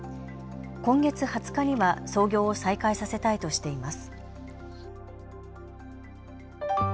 今月２０日には操業を再開させたいとしています。